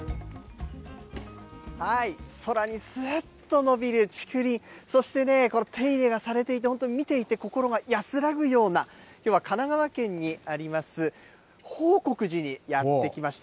空にすーっと伸びる竹林、そしてね、手入れがされていて、見ていて心が安らぐような、きょうは神奈川県にあります、報国寺にやって来ました。